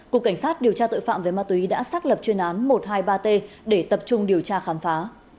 cục cảnh sát điều tra tội phạm về ma túy đã xác lập chuyên án một trăm hai mươi ba t để tập trung điều tra khám phá